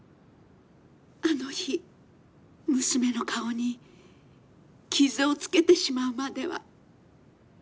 あの日娘の顔に傷をつけてしまうまでは。